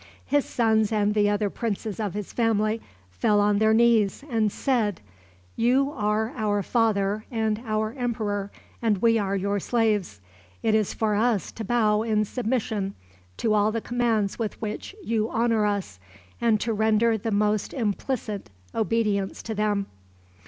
His sons and the other princes of his family fell on their knees and said, "You are our father and our emperor, and we are your slaves. It is for us to bow in submission to all the commands with which you honor us, and to render the most implicit obedience to them."